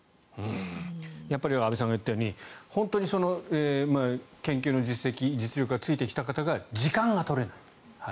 やっぱり安部さんが言ったように、研究の実績実力がついてきた方が時間が取れない。